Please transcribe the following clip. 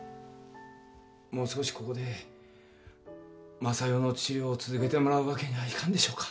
もう少しここで昌代の治療を続けてもらうわけにはいかんでしょうか？